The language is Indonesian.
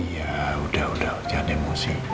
iya udah udah jangan emosi